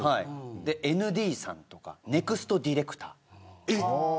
でＮＤさんとかネクストディレクターって。